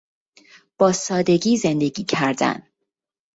با سادگی زندگی کردن